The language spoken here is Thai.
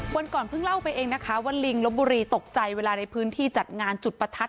วันก่อนเพิ่งเล่าไปเองนะคะว่าลิงลบบุรีตกใจเวลาในพื้นที่จัดงานจุดประทัด